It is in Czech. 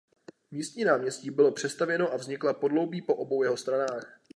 Místní náměstí bylo přestavěno a vznikla podloubí po obou jeho stranách.